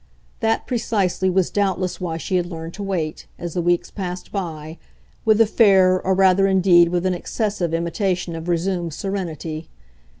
That, precisely, was doubtless why she had learned to wait, as the weeks passed by, with a fair, or rather indeed with an excessive, imitation of resumed serenity.